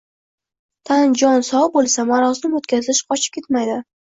Tan-jon sog‘ bo‘lsa, marosim o‘tkazish qochib ketmaydi.